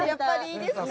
いいですか？